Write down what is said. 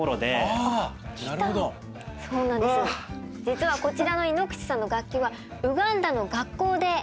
実はこちらの井ノ口さんの楽器はウガンダです。